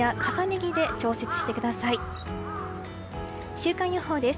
週間予報です。